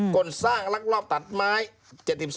กลสร้างรักรอบตัดไม้